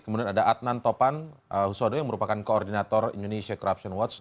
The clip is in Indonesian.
kemudian ada adnan topan husodo yang merupakan koordinator indonesia corruption watch